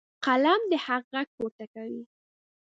قلم د حق غږ پورته کوي.